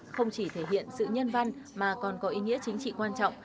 không chỉ thể hiện sự nhân văn mà còn có ý nghĩa chính trị quan trọng